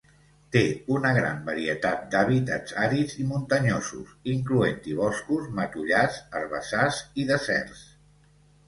Té una gran varietat d'hàbitats àrids i muntanyosos, incloent-hi boscos, matollars, herbassars i deserts.